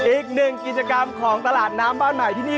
อีกหนึ่งกิจกรรมของตลาดน้ำบ้านใหม่ที่นี่